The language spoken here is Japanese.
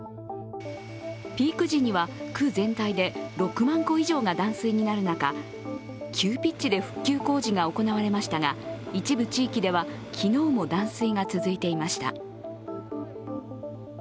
ピーク時には区全体で６万戸以上が断水になる中急ピッチで復旧工事が行われましたが、一部地域では昨日も断水が続いていました。